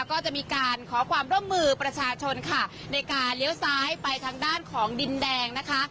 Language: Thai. ก็จะมีการขอความร่วมมือประชาชนค่ะในการเลี้ยวซ้ายไปทางด้านของดินแดงนะคะ